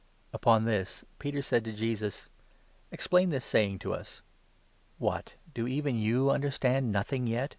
Upon this, Peter said to Jesus :" Explain this saying to us." "What, do even you understand nothing yet?"